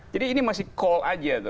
jadi ini masih call aja